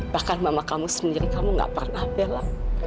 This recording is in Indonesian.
bahkan mama kamu sendiri kamu gak pernah bela